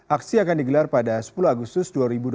aksi akan digelar pada sepuluh agustus dua ribu dua puluh